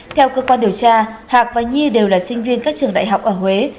theo cơ quan điều tra hạc và nhi đều là sinh viên các trường đại học ở huế